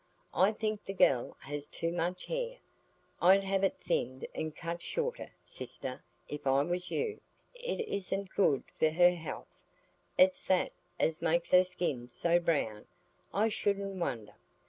"I think the gell has too much hair. I'd have it thinned and cut shorter, sister, if I was you; it isn't good for her health. It's that as makes her skin so brown, I shouldn't wonder.